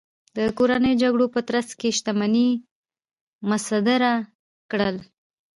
د کورنیو جګړو په ترڅ کې شتمنۍ مصادره کړل.